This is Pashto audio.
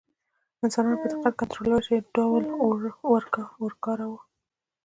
انسانانو په دقت کنټرول شوي ډول اور وکاراوه.